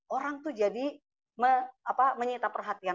orang tuh jadi menyita perhatian